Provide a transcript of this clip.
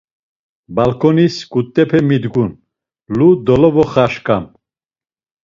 Balǩonis ǩut̆ipe midgun lu dolovoxaşǩam.